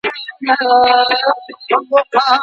ولې ملي سوداګر خوراکي توکي له ازبکستان څخه واردوي؟